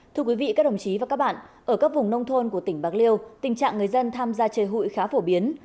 thưa quý vị các đồng chí và các bạn ở các vùng nông thôn của tỉnh bạc liêu tình trạng người dân tham gia chơi hụi khá phổ biến